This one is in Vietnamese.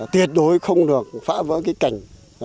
tuyệt đối không được phá vỡ cái cảnh